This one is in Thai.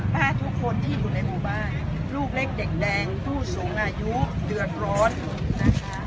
ถ้าทุกคนที่อยู่ในหมู่บ้านลูกเล็กเด็กแดงผู้สูงอายุเดือดร้อนนะคะ